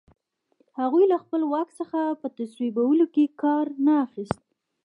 هغوی له خپل واک څخه په تصویبولو کې کار نه اخیست.